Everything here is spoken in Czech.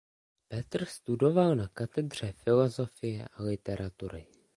Petr studoval na katedře filosofie a literatury.